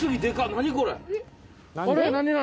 何これ？